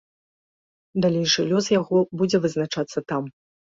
Далейшы лёс яго будзе вызначацца там.